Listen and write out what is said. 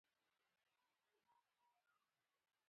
مېله د ټولني د خوښۍ او رنګارنګۍ سېمبول ده.